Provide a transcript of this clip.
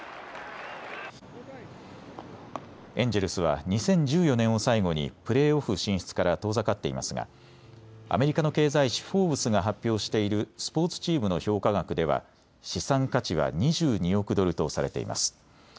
エンジェルスは２０１４年を最後にプレーオフ進出から遠ざかっていますがアメリカの経済誌、フォーブスが発表しているスポーツチームの評価額では資産価値は２２億ドルとされています。